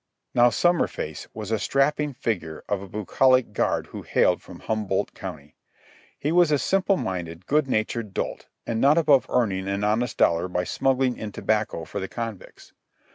Now Summerface was a strapping figure of a bucolic guard who hailed from Humboldt County. He was a simple minded, good natured dolt and not above earning an honest dollar by smuggling in tobacco for the convicts.